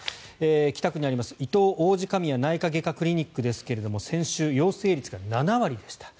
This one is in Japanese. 北区にありますいとう王子神谷内科外科クリニックですが先週、陽性率が７割でした。